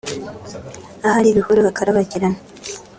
ahari ibihuru hakarabagirana